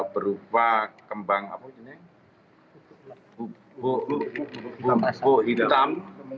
berupa kembang bubuk hitam